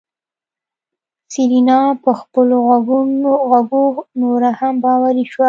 سېرېنا په خپلو غوږو نوره هم باوري شوه.